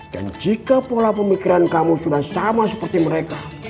dan jika pola pemikiran kamu sudah sama seperti mereka